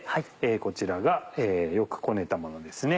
こちらがよくこねたものですね。